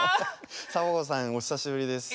サボ子さんおひさしぶりです。